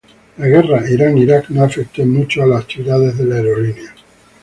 La guerra Irán-Irak no afectó en mucho las actividades de la aerolínea.